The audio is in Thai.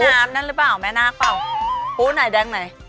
น้ำนั่นหรือเปล่าแม่นาคเปล่าปูไหนแดงไหน